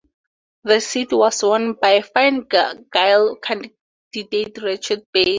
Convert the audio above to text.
The seat was won by the Fine Gael candidate Richard Barry.